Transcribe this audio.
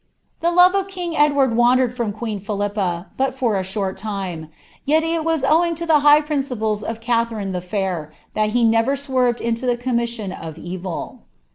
The love of king Edward wandered from queen Philippa, bni for a rfiort time ; yet it was awing to the high principles of Catherine the r«r that be never swerved into the commission of evil.'